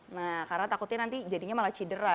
nah karena takutnya nanti jadinya malah cedera